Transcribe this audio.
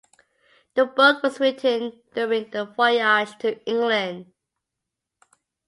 The book was written during the voyage to England.